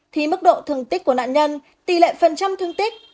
thì mức độ thường tích của nạn nhân tỷ lệ phần trăm thương tích